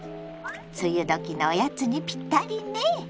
梅雨時のおやつにぴったりね。